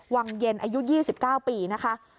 วังเย็นอายุ๒๙ปีนะคะ